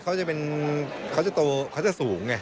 คือคนเล็กเขาจะโตเขาจะสูงไง